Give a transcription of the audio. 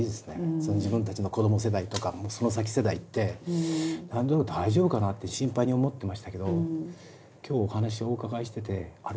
その自分たちの子ども世代とかその先世代って何となく大丈夫かなって心配に思ってましたけど今日お話をお伺いしててあれ？